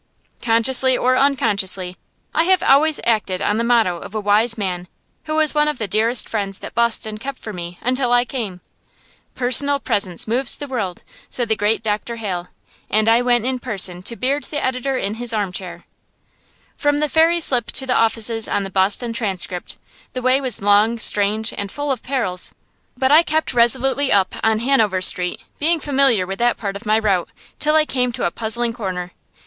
Consciously or unconsciously, I have always acted on the motto of a wise man who was one of the dearest friends that Boston kept for me until I came. "Personal presence moves the world," said the great Dr. Hale; and I went in person to beard the editor in his armchair. From the ferry slip to the offices of the "Boston Transcript" the way was long, strange, and full of perils; but I kept resolutely on up Hanover Street, being familiar with that part of my route, till I came to a puzzling corner.